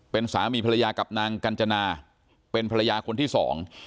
เป็นสามีภรรยากับนางกัญจนาเป็นภรรยาคนที่สอง